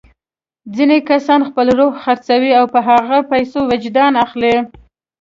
ځینې کسان خپل روح خرڅوي او په هغو پیسو وجدان اخلي.